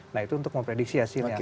nah itu untuk memprediksi hasilnya